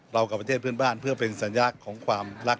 กับประเทศเพื่อนบ้านเพื่อเป็นสัญลักษณ์ของความรัก